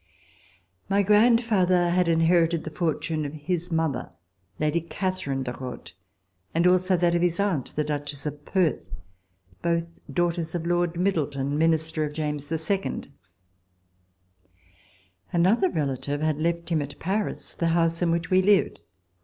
My grandfather had inherited the fortune of his mother. Lady Catherine de Rothe, and also that of his aunt, the Duchess of Perth, both daughters of Lord Middleton, Minister of James II. Another relative had left him, at Paris, the house in which we lived.